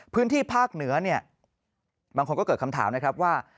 พื้นที่ภาคเหนือเนี่ยบางคนก็เกิดคำถามนะครับว่า